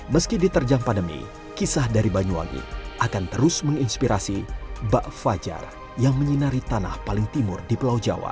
meski diterjang pandemi kisah dari banyuwangi akan terus menginspirasi bak fajar yang menyinari tanah paling timur di pulau jawa